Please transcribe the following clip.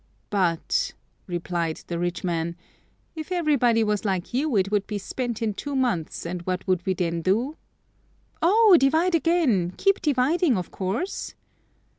"But," replied the rich man, "if everybody was like you it would be spent in two months, and what would we then do?" "Oh! divide again; keep dividing, of course!"